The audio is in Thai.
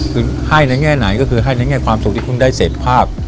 คือให้ในแง่ไหนก็คือให้ในแง่ความสุขที่คุณได้เสพภาพ